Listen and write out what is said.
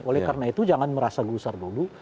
oleh karena itu jangan merasa gusar dulu